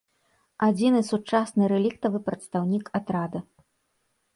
Адзіны сучасны рэліктавы прадстаўнік атрада.